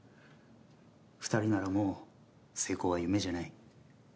２人ならもう成功は夢じゃない。